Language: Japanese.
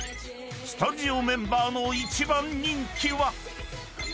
［スタジオメンバーの一番人気は］